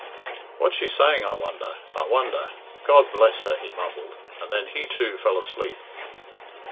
"What's she saying, I wonder! I wonder! God bless her!" he mumbled, and then he, too, fell asleep.